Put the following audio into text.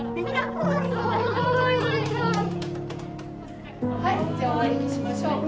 はいじゃあ終わりにしましょう。